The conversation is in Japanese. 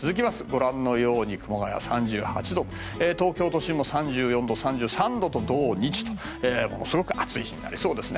ご覧のように熊谷３８度東京都心も３４度、３３度と土日とものすごく暑い日になりそうです。